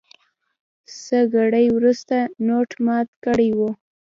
څه ګړی وروسته نوټ مات کړی و.